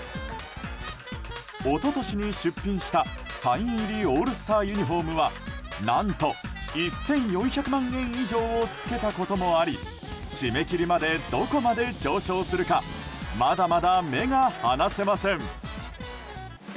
一昨年に出品したサイン入りオールスターユニホームは１４００万円以上をつけたこともあり締め切りまでどこまで上昇するかまだまだ目が離せません。